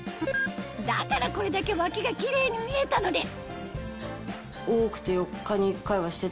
だからこれだけ脇がキレイに見えたのです